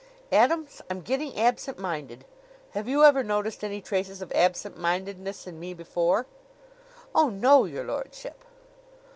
"Adams, I'm getting absent minded. Have you ever noticed any traces of absent mindedness in me before?" "Oh, no, your lordship."